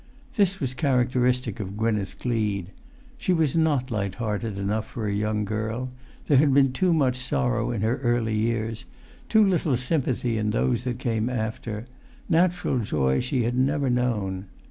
This was characteristic of Gwynneth Gleed. She was not light hearted enough for a young girl; there had been too much sorrow in her early years, too little sympathy in those that came after; natural joy she had never known.